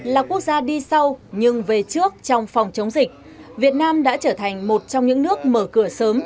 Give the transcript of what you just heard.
là quốc gia đi sau nhưng về trước trong phòng chống dịch việt nam đã trở thành một trong những nước mở cửa sớm